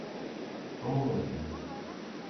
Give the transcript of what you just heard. Comment vas-tu ?